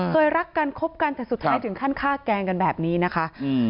เคยรักกันคบกันแต่สุดท้ายถึงขั้นฆ่าแกล้งกันแบบนี้นะคะ